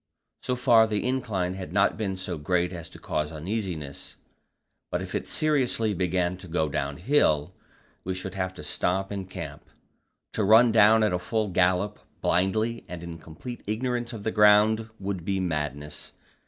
So far the incline had not been so great as to cause uneasiness, but if it seriously began to go downhill, we should have to stop and camp. To run down at full gallop, blindly and in complete ignorance of the ground, would be madness.